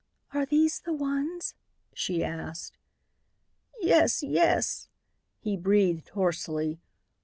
"Are these the ones?" she asked. "Yes, yes," he breathed hoarsely.